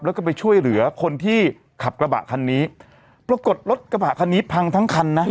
แล้วก็ไปช่วยเหลือคนที่ขับกระบะคันนี้ปรากฏรถกระบะคันนี้พังทั้งคันนะ